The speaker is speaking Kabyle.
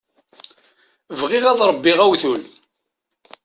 Bɣiɣ ad ṛebbiɣ awtul.